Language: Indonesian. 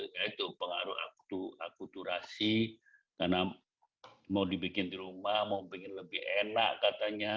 ya itu pengaruh akuturasi karena mau dibikin di rumah mau bikin lebih enak katanya